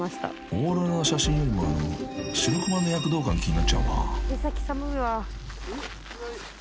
［オーロラの写真よりもあのシロクマの躍動感気になっちゃうな］